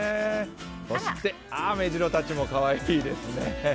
そしてメジロたちもかわいいですね。